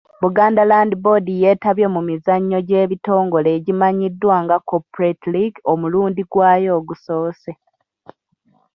Buganda Land Board yeetabye mu mizannyo gy'ebitongole egimannyiddwa nga Corporate League omulundi gwayo ogusoose.